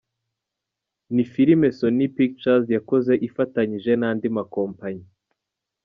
Ni filime Sony Pictures yakoze ifatanyije n’andi makompanyi.